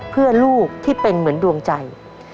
เพื่อลูกที่เป็นเหมือนดวงใจ